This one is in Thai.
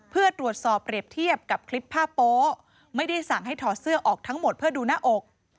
เพื่อตรวจสอบเปรียบเทียบกับคลิปผ้าโป๊ไม่ได้สั่งให้ถอดเสื้อออกทั้งหมดเพื่อดูหน้าอก